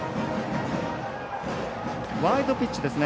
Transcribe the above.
ワイルドピッチですね。